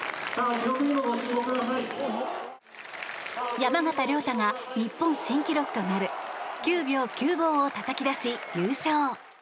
山縣亮太が日本新記録となる９秒９５をたたき出し優勝。